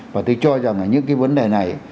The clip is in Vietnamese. và tôi cho rằng là những cái vấn đề này